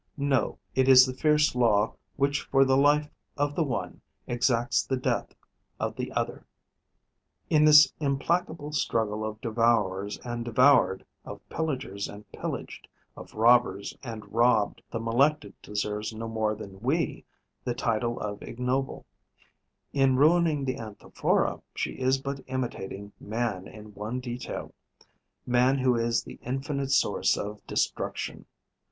No, it is the fierce law which for the life of the one exacts the death of the other. In this implacable struggle of devourers and devoured, of pillagers and pillaged, of robbers and robbed, the Melecta deserves no more than we the title of ignoble; in ruining the Anthophora, she is but imitating man in one detail, man who is the infinite source of destruction.